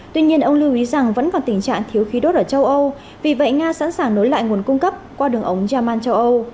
tuy nhiên ông lưu ý rằng vẫn còn tình trạng thiếu khí đốt ở châu âu vì vậy nga sẵn sàng nối lại nguồn cung cấp qua đường ống yaman châu âu